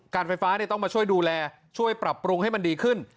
การไฟฟ้าต้องมาช่วยดูแลช่วยปรับปรุงให้มันดีขึ้น